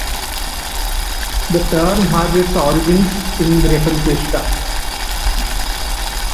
The term has its origins in the "reconquista".